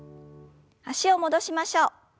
脚を戻しましょう。